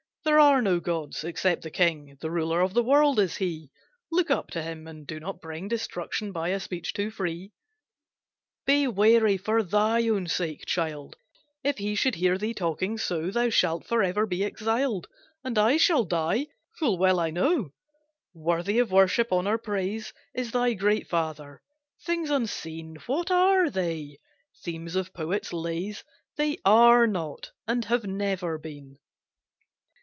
There are no gods except the king, The ruler of the world is he! Look up to him, and do not bring Destruction by a speech too free. "Be wary for thy own sake, child, If he should hear thee talking so, Thou shalt for ever be exiled, And I shall die, full well I know. Worthy of worship, honour, praise, Is thy great father. Things unseen, What are they? Themes of poets' lays! They are not and have never been."